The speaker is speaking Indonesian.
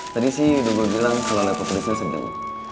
tadi sih udah gue bilang kalo lepo pedesnya sedang